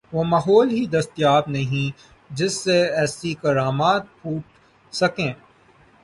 وہ ماحول ہی دستیاب نہیں جس سے ایسی کرامات پھوٹ سکیں۔